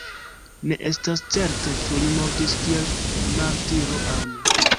Ne estas certe ĉu li mortis kiel martiro aŭ ne.